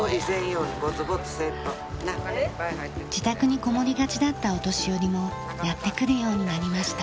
自宅にこもりがちだったお年寄りもやって来るようになりました。